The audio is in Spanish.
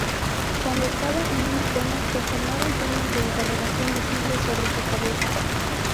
Cuando estaba en un dilema, se formaban signos de interrogación visibles sobre su cabeza.